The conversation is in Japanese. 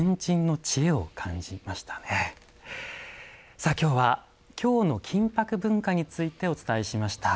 さあ今日は「京の金箔文化」についてお伝えしました。